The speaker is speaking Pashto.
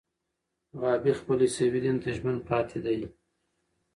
غابي خپل عیسوي دین ته ژمن پاتې دی.